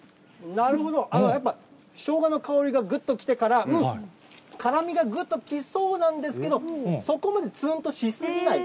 なるほど、やっぱ、ショウガの香りがぐっときてから、辛みがぐっときそうなんですけど、そこまでつんとし過ぎない。